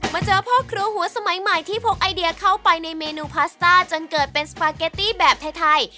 เจอพ่อครัวหัวสมัยใหม่ที่พกไอเดียเข้าไปในเมนูพาสต้าจนเกิดเป็นสปาเกตตี้แบบไทย